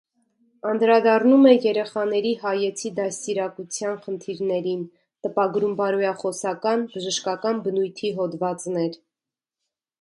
Անդրադառնում է երեխաների հայեցի դաստիարակության խնդիրներին, տպագրում բարոյախոսական, բժշկական բնույթի հոդվածներ։